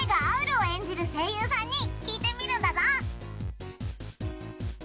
あうるを演じる声優さんに聞いてみるんだぞ。